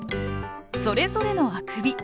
それぞれの「あくび」。